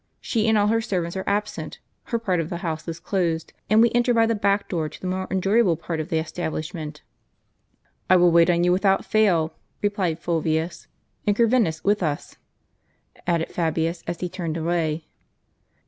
She and all her servants are absent ; her part of the house is closed, and we enter by the back door to the more enjoyable part of the establishment." " I will wait on you without fail," replied Fulvius. " And Corvinus with you," added Fabius, as he turned away.